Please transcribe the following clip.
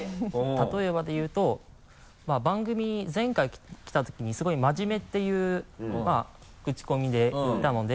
例えばで言うと番組前回来たときにすごい真面目っていうクチコミで来たので。